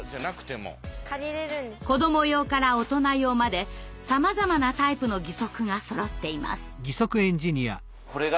子ども用から大人用までさまざまなタイプの義足がそろっています。